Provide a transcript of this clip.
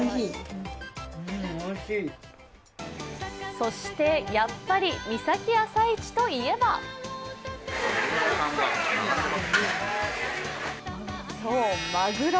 そして、やっぱり三崎朝市といえばそう、マグロ。